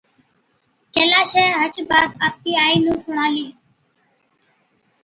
ڪيلاشَي هچ بات آپڪِي آئِي نُون سُڻالِي۔